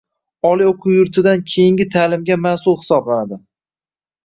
oliy o`quv yurtidan keyingi ta’limga mas'ul hisoblanadi.